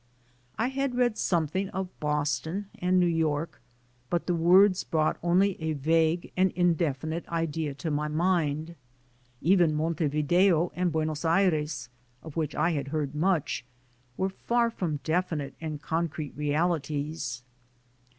I had read something of Boston and New York, but the words brought only a vague and indefinite idea to my mind. Even Montevideo and Buenos Ayres, of which I had heard much, were far from definite and concrete realities.